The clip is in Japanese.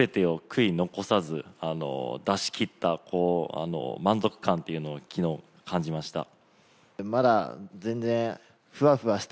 すべてを悔い残さず出し切った満足感を昨日感じました。